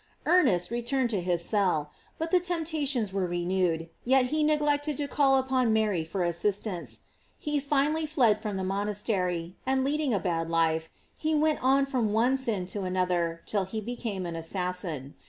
Ernest returned to his cell ; but the temptations were renewed, yet he neglected to call upon Mary for assistance. He finally fled from the monastery, and leading a bad life, he went on from one sin to another, till he became an assassin.